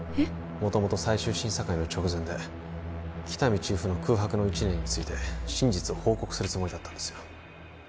もともと最終審査会の直前で喜多見チーフの空白の一年について真実を報告するつもりだったんですよ